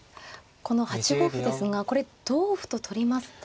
この８五歩ですがこれ同歩と取りますと。